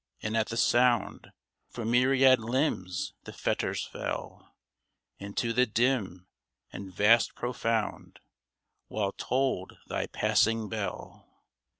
and at the sound, From myriad limbs the fetters fell Into the dim and vast profound, While tolled thy passing bell